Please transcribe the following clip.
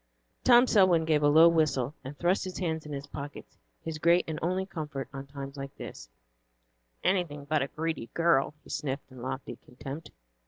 Tom Selwyn gave a low whistle, and thrust his hands in his pockets, his great and only comfort on times like these. "Anything but a greedy girl," he sniffed in lofty contempt.